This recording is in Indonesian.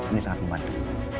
ini sangat membantu